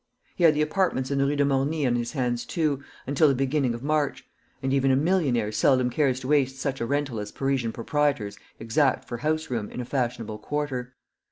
He had the apartments in the Rue du Morny on his hands, too, until the beginning of March; and even a millionaire seldom cares to waste such a rental as Parisian proprietors exact for houseroom in a fashionable quarter.